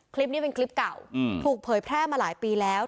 คลิปนี้เป็นคลิปเก่าถูกเผยแพร่มาหลายปีแล้ว